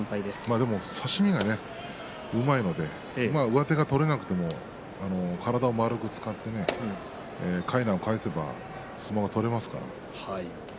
でも差し身がうまいので上手を取れなくても体を丸く使って、かいなを返せば相撲が取れますからね。